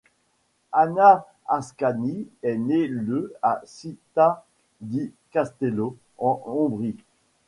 Anna Ascani est née le à Città di Castello, en Ombrie.